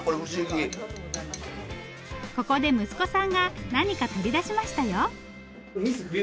ここで息子さんが何か取り出しましたよ。